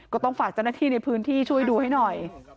ก็ต้องฝากเจ้าหน้าที่ในพื้นที่ช่วยดูให้หน่อย